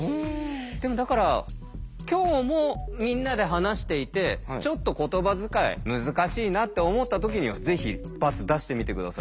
でもだから今日もみんなで話していてちょっと言葉遣い難しいなって思ったときにはぜひバツ出してみて下さい。